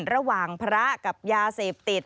ระหว่างพระกับยาเสพติด